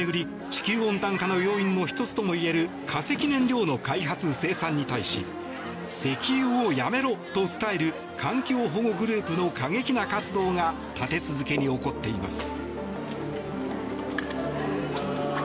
地球温暖化の要因の１つともいえる化石燃料の開発・生産に対し石油をやめろと訴える環境保護グループの過激な活動が立て続けに起こっています。